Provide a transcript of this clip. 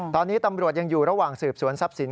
ตอนนี้ตำรวจยังอยู่ระหว่างสืบสวนทรัพย์สิน